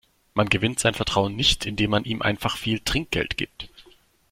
Man gewinnt sein Vertrauen nicht, indem man ihm einfach viel Trinkgeld gibt.